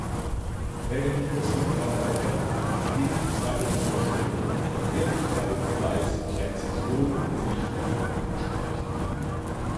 Er entließ Mitarbeiter, die nicht seinen Vorstellungen von Ehrlichkeit, Fleiß, Präzision und Pflichterfüllung entsprachen.